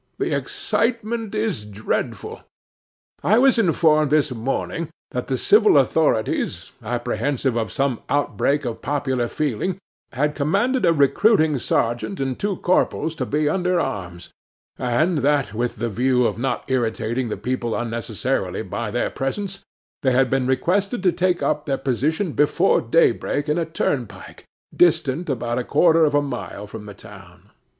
The excitement is dreadful. I was informed this morning that the civil authorities, apprehensive of some outbreak of popular feeling, had commanded a recruiting sergeant and two corporals to be under arms; and that, with the view of not irritating the people unnecessarily by their presence, they had been requested to take up their position before daybreak in a turnpike, distant about a quarter of a mile from the town.